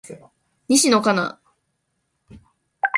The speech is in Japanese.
西野カナ